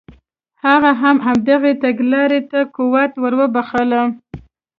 هغه هم همدغې تګلارې ته قوت ور وبخښه.